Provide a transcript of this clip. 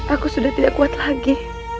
aku sudah tidak kuat lagi